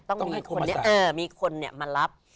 ต้องให้คนเออมีคนเนี่ยมารับ